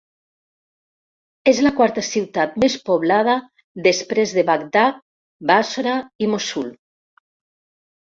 És la quarta ciutat més poblada després de Bagdad, Bàssora i Mossul.